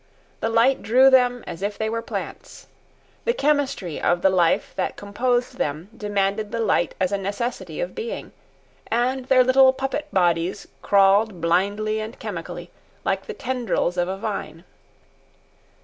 The light drew them as if they were plants; the chemistry of the life that composed them demanded the light as a necessity of being; and their little puppet bodies crawled blindly and chemically, like the tendrils of a vine.